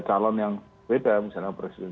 calon yang beda misalnya presiden